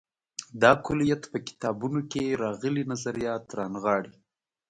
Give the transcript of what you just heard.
دا کُلیت په کتابونو کې راغلي نظریات رانغاړي.